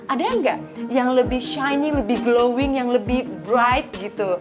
ada nggak yang lebih shiny lebih glowing yang lebih bright gitu